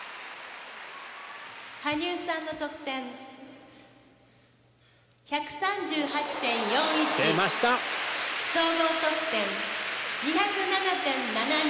「羽生さんの得点１３８．４１総合得点２０７．７２」。